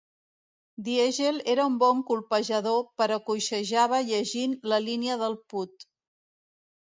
Diegel era un bon colpejador però coixejava llegint la línia del putt.